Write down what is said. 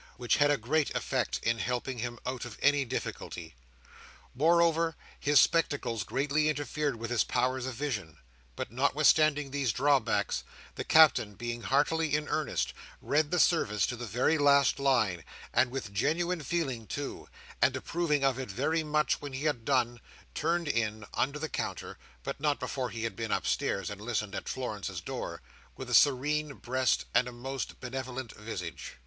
which had a great effect in helping him out of any difficulty. Moreover, his spectacles greatly interfered with his powers of vision. But notwithstanding these drawbacks, the Captain, being heartily in earnest, read the service to the very last line, and with genuine feeling too; and approving of it very much when he had done, turned in, under the counter (but not before he had been upstairs, and listened at Florence's door), with a serene breast, and a most benevolent visage.